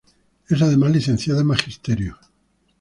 Es además Licenciada en Magisterio.